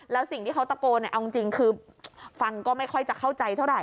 แล้วสิ่งที่เขาตะโกนเอาจริงคือฟังก็ไม่ค่อยจะเข้าใจเท่าไห